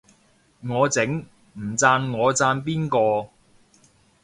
我整，唔讚我讚邊個